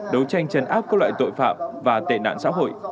đấu tranh chấn áp các loại tội phạm và tệ nạn xã hội